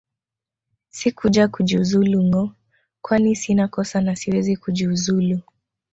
Sikuja kujiuzulu ngo kwani sina kosa na siwezi kujiuzulu